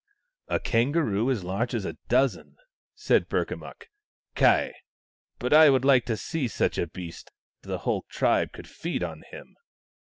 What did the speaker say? " A kangaroo as large as a dozen !" said Burka mukk. " Ky ! but I would like to see such a beast The whole tribe could feed on him."